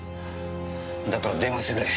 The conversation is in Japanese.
だったら電話してくれ。